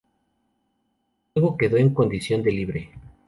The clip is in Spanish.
Luego quedó en condición de libre.